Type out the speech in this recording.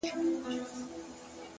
ښه نیت د ښه عمل پیل دی,